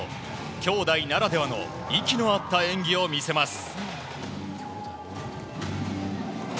きょうだいならではの息の合った演技を見せます。